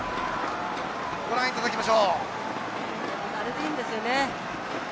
ご覧いただきましょう。